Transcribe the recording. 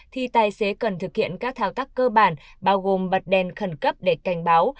thì tài xế cần thực hiện các thao tác cơ bản bao gồm bật đèn khẩn cấp để cảnh báo